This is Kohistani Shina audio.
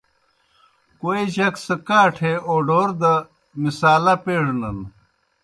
کوئے جک سہ کاٹھے اوڈور دہ مصالحہ پیڙنَن۔